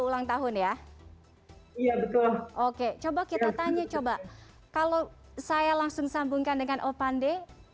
ulang tahun ya iya betul oke coba kita tanya coba kalau saya langsung sambungkan dengan opande